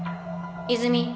泉。